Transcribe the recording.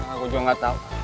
aku juga gak tau